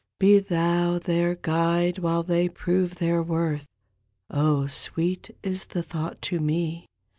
Be Thou their guide while they prove their worth; Oh, sweet is the thought to me.